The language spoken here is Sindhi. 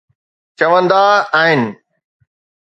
چوندا آهن